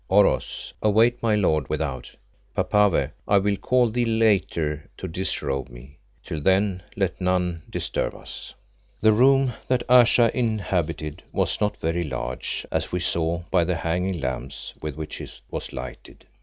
Oros, await my lord without. Papave, I will call thee later to disrobe me. Till then let none disturb us." The room that Ayesha inhabited was not very large, as we saw by the hanging lamps with which it was lighted.